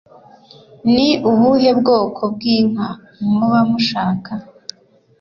Ni ubuhe bwoko bw’ inka muba mushaka?